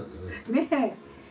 ねえ。